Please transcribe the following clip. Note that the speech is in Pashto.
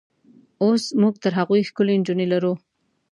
اوس موږ تر هغوی ښکلې نجونې لرو.